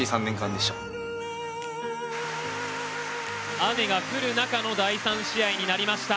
雨が降る中の第３試合になりました。